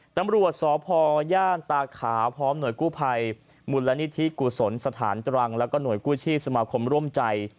ตำรวจสพย่านตาขาวพร้อมหน่วยกู้ภัยมูลนิธิกุศลสถานตรังแล้วก็หน่วยกู้ชีพสมาคมร่วมใจ